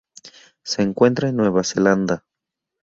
Se encuentra en Nueva Zelanda